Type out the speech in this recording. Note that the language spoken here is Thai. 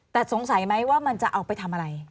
แต่สงสัยไหมว่ามันจะเอาไปทำอะไร